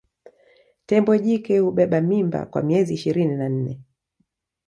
Tembo jike hubeba mimba kwa miezi ishirini na nne